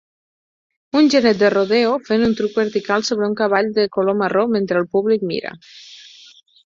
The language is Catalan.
Un genet de rodeo fent un truc vertical sobre un cavall de color marró mentre el públic mira